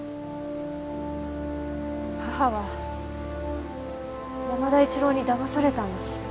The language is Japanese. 母は山田一郎に騙されたんです。